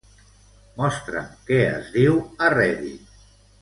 Mostra'm què es diu a Reddit.